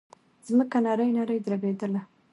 ځمکه نرۍ نرۍ دربېدله.